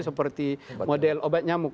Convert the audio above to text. seperti model obat nyamuk